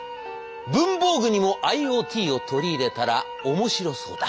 文房具にもＩｏＴを取り入れたら面白そうだ。